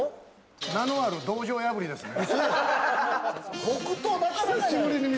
名のある道場破りですね。